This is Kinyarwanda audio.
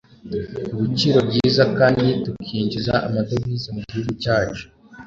ku biciro byiza kandi tukinjiza amadovize mu gihugu cyacu.’’